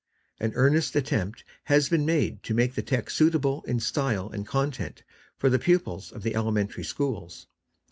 An earnest attempt has been made to make the text suitable in style and content for the pupils of the elementary schools.